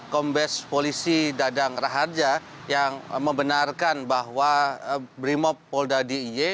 kombes polisi dadang raharja yang membenarkan bahwa brimopolda dy